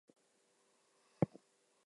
Jules married twice.